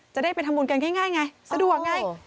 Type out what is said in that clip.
จะได้ไปทำบุญกันง่ายไงสะดวกไง